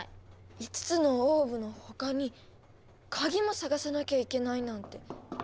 ５つのオーブの他に鍵もさがさなきゃいけないなんて。